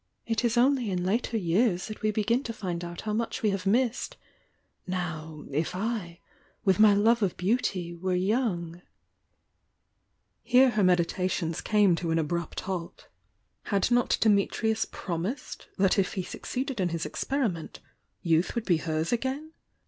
"It is only in later years that we begin to find out how much we have missed. Now, if I, with my love of beauty, were young " Here her meditations came to an abrupt halt. Had not Dimitrius promised that if he succeeded in his experiment, youth would be hers again?